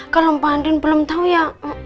kalau mbak andi belum tau ya